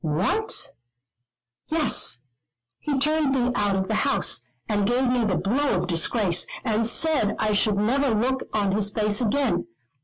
"What?" "Yes, he turned me out of the house, and gave me the blow of disgrace, and said I should never look on his face again.